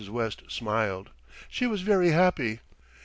West smiled. She was very happy.